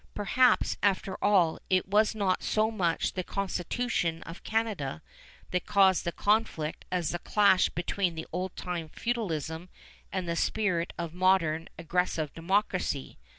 Perhaps, after all, it was not so much the Constitution of Canada that caused the conflict as the clash between the old time feudalism and the spirit of modern, aggressive democracy.